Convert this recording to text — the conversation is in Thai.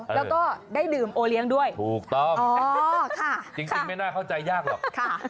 แล้วก็ได้ดื่มโอเลี้ยงด้วยถูกต้องจริงไม่น่าเข้าใจยากหรอก